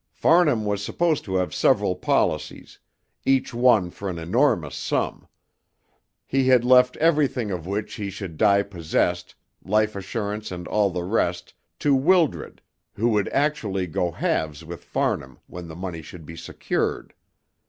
Farnham was supposed to have several policies, each one for an enormous sum; he had left everything of which he should die possessed, life assurance and all the rest, to Wildred, who would actually go halves with Farnham when the money should be secured.